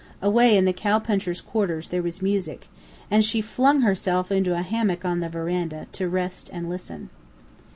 Away in the cow punchers' quarters there was music, and she flung herself into a hammock on the veranda, to rest and listen.